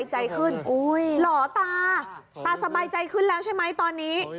ใจขึ้นหล่อตาตาสบายใจขึ้นแล้วใช่ไหมตอนนี้